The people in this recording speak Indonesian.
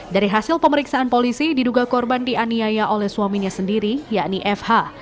dari hasil pemeriksaan polisi diduga korban dianiaya oleh suaminya sendiri yakni fh